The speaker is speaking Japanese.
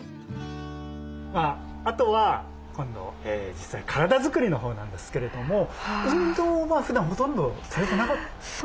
あとは実際体作りのほうなんですけれども運動はふだんほとんどされてなかったんでしたっけ？